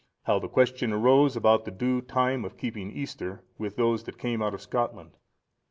How the question arose about the due time of keeping Easter, with those that came out of Scotland.